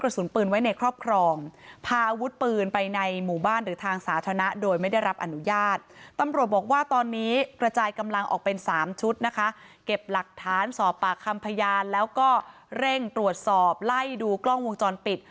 เก็บหลักฐานสอบปากคำพยานแล้วก็เร่งตรวจสอบไล่ดูกล้องวงจรปิด